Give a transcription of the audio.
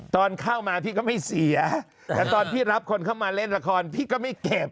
ตอนเข้ามาพี่ก็ไม่เสียแต่ตอนพี่รับคนเข้ามาเล่นละครพี่ก็ไม่เก็บ